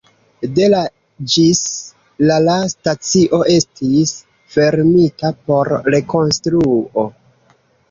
De la ĝis la la stacio estis fermita por rekonstruo.